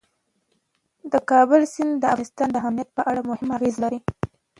د کابل سیند د افغانستان د امنیت په اړه هم اغېز لري.